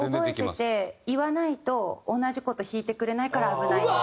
覚えてて言わないと同じ事弾いてくれないから危ないんです。